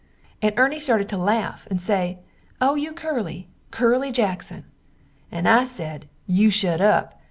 and Erny started to laff and say, O you Curly Curly Jackson! and I sed, You shut up!